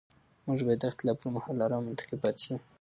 موږ باید د اختلاف پر مهال ارام او منطقي پاتې شو